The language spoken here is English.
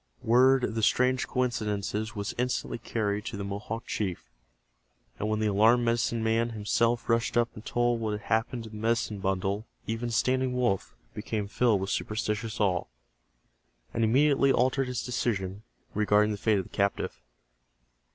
Word of the strange coincidences was instantly carried to the Mohawk chief, and when the alarmed medicine man himself rushed up and told what had happened to the medicine bundle even Standing Wolf became filled with superstitious awe, and immediately altered his decision regarding the fate of the captive.